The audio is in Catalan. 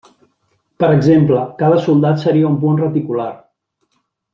Per exemple, cada soldat seria un punt reticular.